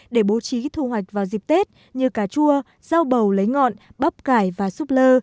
để bố trí thu hoạch vào dịp tết như cà chua rau bầu lấy ngọt bắp cải và súp lơ